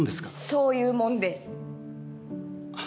そういうもんです！